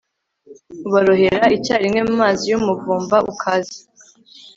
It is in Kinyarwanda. ubarohera icyarimwe mu mazi y'umuvumba ukaze